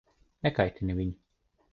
Nekaitini viņu.